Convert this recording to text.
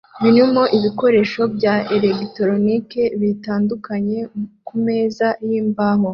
birimo ibikoresho bya elegitoroniki bitandukanye kumeza yimbaho